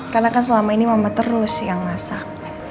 karena kan selama ini mama terus yang masak